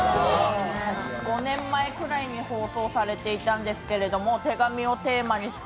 ５年前くらいに放送されていたんですけれども、手紙をテーマにした